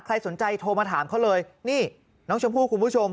ใครสนใจโทรมาถามเขาเลยนี่น้องชมพู่คุณผู้ชม